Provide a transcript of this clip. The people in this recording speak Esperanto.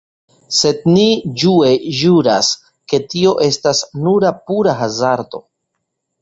Sed ni ĝue ĵuras, ke tio estas nura pura hazardo.